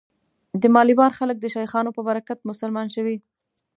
د مالیبار خلک د شیخانو په برکت مسلمان شوي.